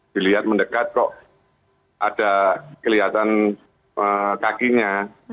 dilihat mendekat kok ada kelihatan kakinya